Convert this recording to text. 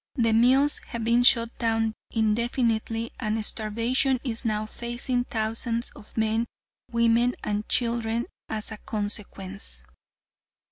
The mills have been shut down indefinitely and starvation is now facing thousands of men, women and children as a consequence."